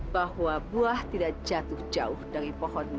bahwa buah tidak jatuh jauh dari pohon